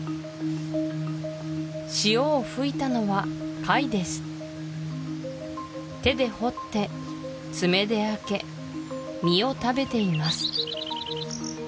潮を吹いたのは貝です手で掘って爪で開け身を食べています